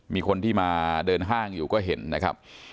มีคนที่มาเดินห้างอยู่ก็เห็นนะครับ